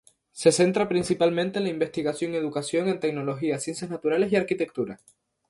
Se centra principalmente en la investigación y educación en tecnología, ciencias naturales, y arquitectura.